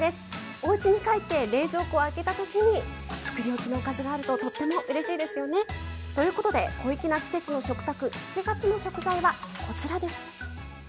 おうちに帰って冷蔵庫を開けたときにつくりおきのおかずがあるととってもうれしいですよね。ということで「小粋な季節の食卓」７月の食材はこちらです。